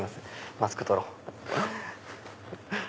マスク取ろう。